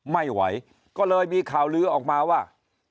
ไม่ไหวก็เลยมีข่าวลื้อออกมาว่า